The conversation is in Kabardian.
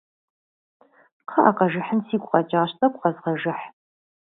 КъыӀэ, къэжыхьын сигу къэкӀащ, тӀэкӀу къэзгъэжыхь.